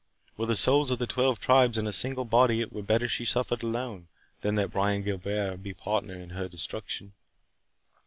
Were the souls of the twelve tribes in her single body, it were better she suffered alone, than that Bois Guilbert were partner in her destruction."